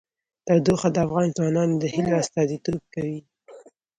تودوخه د افغان ځوانانو د هیلو استازیتوب کوي.